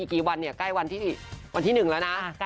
อีกกี่วันไหร่กล้ายที่วันที่๑แล้วนะ